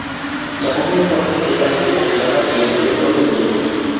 La momia estaba completamente congelada dentro de un bloque de hielo.